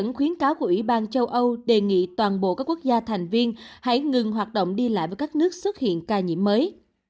những khuyến cáo của ủy ban châu âu đề nghị toàn bộ các quốc gia thành viên hãy ngừng hoạt động đi lại với các nước xuất hiện ca nhiễm mới